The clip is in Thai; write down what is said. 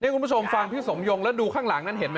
คุณผู้ชมฟังพี่สมยงแล้วดูข้างหลังนั้นเห็นไหม